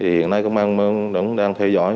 hiện nay công an đang theo dõi